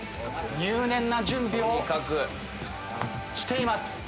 入念な準備をしています。